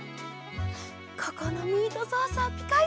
ここのミートソースはぴかいち。